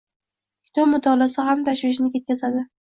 Kitob mutolaasi g‘am-tashvishni ketkazadi.